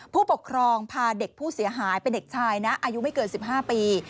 ผู้ปกครองพาเด็กผู้เสียหายเป็นเด็กชายนะอายุไม่เกิน๑๕ปี